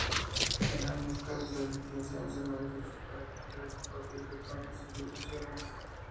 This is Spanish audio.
En ambos casos la legislación se modificó para que fuera compatible con las instituciones.